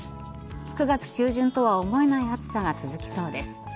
９月中旬とは思えない暑さが続きそうです。